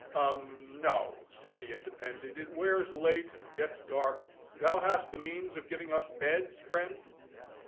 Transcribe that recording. "Umph—no," said the Independent—"it wears late, and gets dark—thou hast the means of giving us beds, friend?"